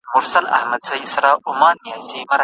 یو څه بېخونده د ده بیان دی